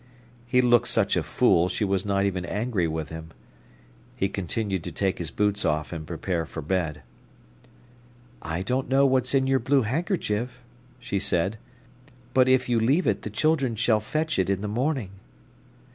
He looked such a fool she was not even angry with him. He continued to take his boots off and prepare for bed. "I don't know what's in your blue handkerchief," she said. "But if you leave it the children shall fetch it in the morning."